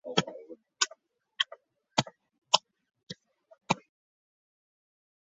日野交流道是位于神奈川县横滨市南区的横滨横须贺道路之交流道。